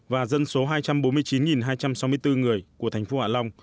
và dân số hai trăm bốn mươi chín hai trăm sáu mươi bốn người của thành phố hạ long